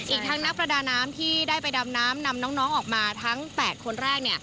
อีกทั้งนักประดาน้ำที่ได้ไปดำน้ำนำน้องออกมาทั้ง๘คนแรก